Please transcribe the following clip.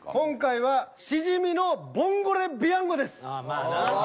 まあな。